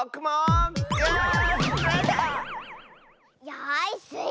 よしスイ